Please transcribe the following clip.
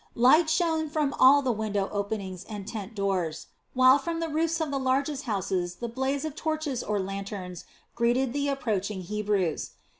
Light shone from all the window openings and tent doors, while from the roofs of the largest houses the blaze of torches or lanterns greeted the approaching Hebrews.